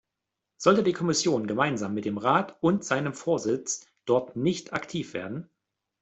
Sollte die Kommission gemeinsam mit dem Rat und seinem Vorsitz dort nicht aktiv werden?